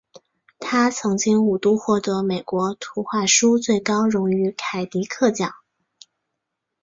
他曾经五度获得美国图画书最高荣誉凯迪克奖。